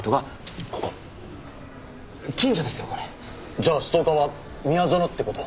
じゃあストーカーは宮園って事？